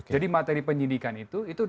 jadi materi penyidikan itu